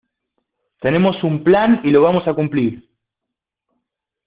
tenemos un plan y lo vamos a cumplir.